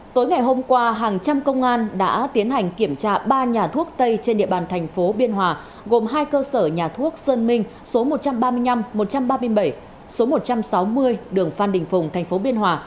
tối ngày hôm qua hàng trăm công an đã tiến hành kiểm tra ba nhà thuốc tây trên địa bàn thành phố biên hòa gồm hai cơ sở nhà thuốc sơn minh số một trăm ba mươi năm một trăm ba mươi bảy số một trăm sáu mươi đường phan đình phùng tp biên hòa